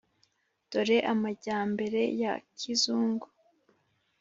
dore amajyambere ya kizungu